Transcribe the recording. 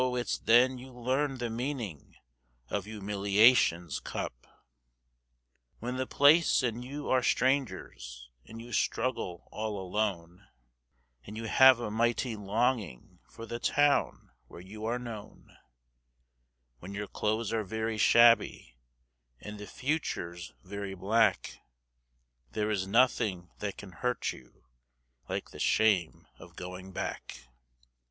it's then you learn the meaning of humiliation's cup. When the place and you are strangers and you struggle all alone, And you have a mighty longing for the town where you are known; When your clothes are very shabby and the future's very black, There is nothing that can hurt you like the shame of going back.